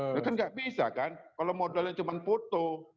itu kan nggak bisa kan kalau modalnya cuma foto